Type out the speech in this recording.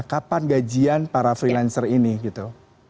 kapan gajian para freelancer ini gitu